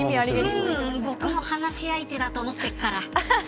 僕も話し相手だと思っているから。